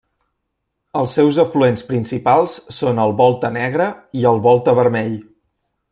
Els seus afluents principals són el Volta Negre i el Volta Vermell.